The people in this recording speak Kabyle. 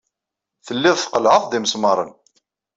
Tellid tqellɛed-d imesmaṛen.